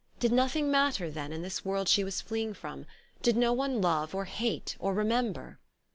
Did nothing matter, then, in this world she was fleeing from, did no one love or hate or remember?